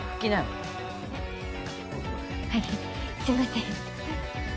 すいません。